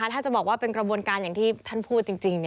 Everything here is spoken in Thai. ถ้าจะบอกว่าเป็นกระบวนการอย่างที่ท่านพูดจริง